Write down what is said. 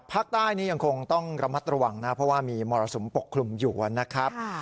ภาคใต้นี่ยังคงต้องระมัดระวังนะเพราะว่ามีมรสุมปกคลุมอยู่นะครับ